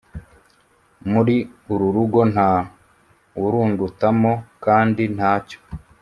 Muri uru rugo nta wurundutamo kandi nta cyo